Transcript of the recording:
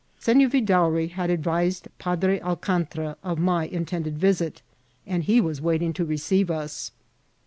SeSor Yidaury had advised Padre Alcantra of my in tended visit, and he was waiting to receive us.